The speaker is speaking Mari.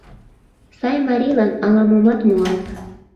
Сай марийлан ала-момат муат.